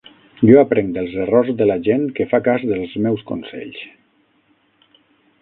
Jo aprenc dels errors de la gent que fa cas dels meus consells.